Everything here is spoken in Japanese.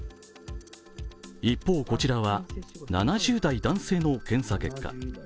一方こちらは７０代男性の検査結果。